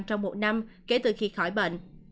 trong một năm kể từ khi khỏi bệnh